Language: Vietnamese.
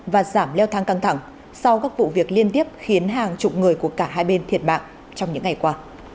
và giảm leo thang căng thẳng sau các vụ việc liên tiếp khiến hàng chục người của cả hai bên thiệt mạng trong những ngày qua